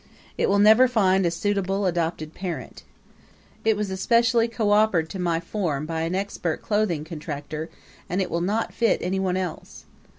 It will never find a suitable adopted parent. It was especially coopered to my form by an expert clothing contractor, and it will not fit anyone else.